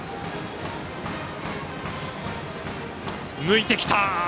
抜いてきた！